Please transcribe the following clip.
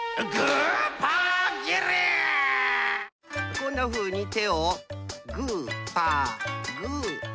こんなふうに手をグーパーグーパー。